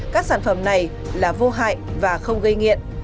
các sản phẩm này là vô hại và không gây nghiện